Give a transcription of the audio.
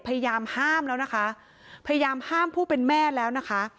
พยายามห้ามแล้วนะคะพยายามห้ามผู้เป็นแม่แล้วนะคะ